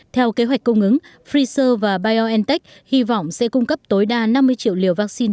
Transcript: theo kế hoạch cung ứng pfizer và biontech hy vọng sẽ cung cấp tối đa năm mươi triệu liều vaccine